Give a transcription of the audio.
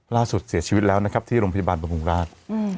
ล่าสุดเสียชีวิตแล้วนะครับที่โรงพยาบาลบำรุงราช